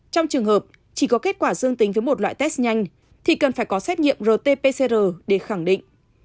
trong trường hợp chỉ có kết quả dương tính với một loại test nhanh thì cần phải có xét nghiệm rt pcr để khẳng định